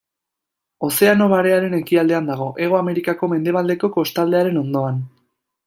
Ozeano Barearen ekialdean dago, Hego Amerikako mendebaldeko kostaldearen ondoan.